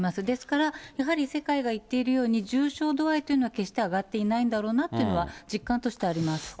ですから、やはり世界が言っているように、重症度合いというのは、決して上がっていないんだろうなというのは実感としてあります。